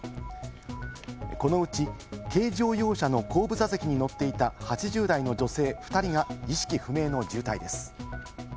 このうち軽乗用車の後部座席に乗っていた８０代の女性２人が意識不明の重体です。